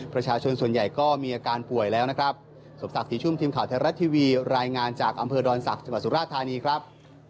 ประชาชนส่วนใหญ่ก็มีอาการป่วยแล้วนะครับ